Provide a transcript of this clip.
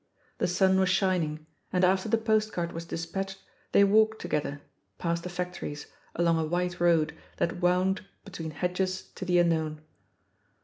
The sun was shin ing, and after the postcard was dispatched they walked together, past the factories, along a white road that wound between hedges to the unknown.